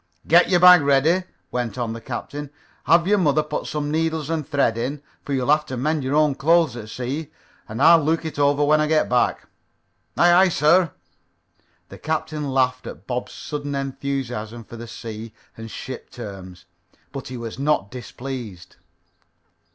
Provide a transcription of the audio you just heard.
"Get your bag ready," went on the captain, "have your mother put some needles and thread in, for you'll have to mend your own clothes at sea, and I'll look it over when I get back." "Aye, aye, sir." The captain laughed at Bob's sudden enthusiasm for the sea and ship terms, but he was not displeased.